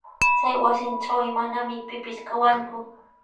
Chay wasitrawqa manami pipis kawanku.